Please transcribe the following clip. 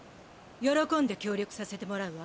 喜んで協力させてもらうわ。